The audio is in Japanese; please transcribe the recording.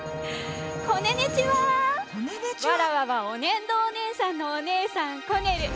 わらわはおねんどお姉さんのお姉さんコネル。